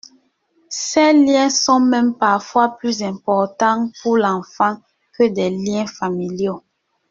Ces liens sont même parfois plus importants pour l’enfant que des liens familiaux.